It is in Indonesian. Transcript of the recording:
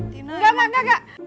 tidak tidak tidak